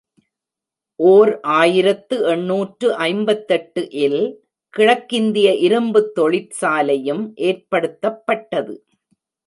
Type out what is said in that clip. ஓர் ஆயிரத்து எண்ணூற்று ஐம்பத்தெட்டு இல் கிழக்கிந்திய இரும்புத் தொழிற்சாலையும் ஏற்படுத்தப்பட்டது.